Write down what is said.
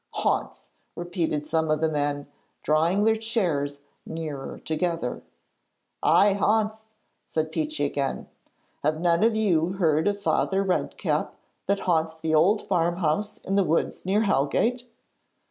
'Haunts!' repeated some of the men, drawing their chairs nearer together. 'Ay, haunts,' said Peechy again. 'Have none of you heard of Father Redcap that haunts the old farmhouse in the woods near Hellgate?'